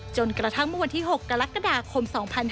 จนกระทั่งเมื่อวันที่๖กรกฎาคม๒๕๕๙